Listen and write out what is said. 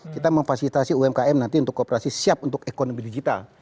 kita memfasilitasi umkm nanti untuk kooperasi siap untuk ekonomi digital